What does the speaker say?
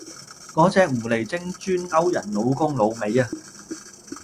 個隻狐狸精專勾人老公老尾呀！